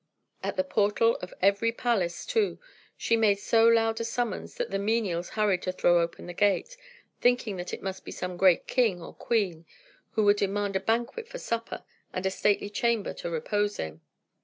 At the portal of every palace, too, she made so loud a summons that the menials hurried to throw open the gate, thinking that it must be some great king or queen, who would demand a banquet for supper and a stately chamber to repose in.